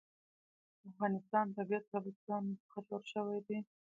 د افغانستان طبیعت له بزګانو څخه جوړ شوی دی.